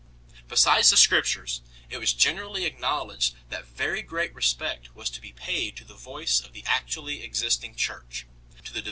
2. Besides the Scriptures, it was generally acknow ledged that very great respect was to be paid to the voice of the actually existing Church, to the developments of a 1 Carmina, xii.